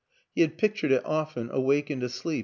He had pictured it often, awake and asleep